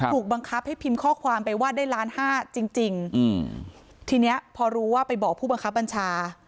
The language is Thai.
ถูกบังคับให้พิมพ์ข้อความไปว่าได้ล้านห้าจริงจริงอืมทีเนี้ยพอรู้ว่าไปบอกผู้บังคับบัญชา